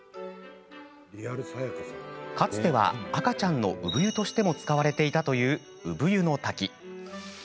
かつては赤ちゃんの産湯としても使われていたという、産湯の滝。